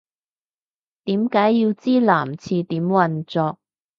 點解要知男廁點運作